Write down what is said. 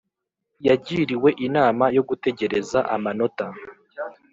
Yagiriwe inama yo gutegereza amanota